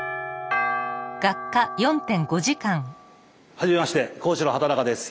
はじめまして講師の畠中です。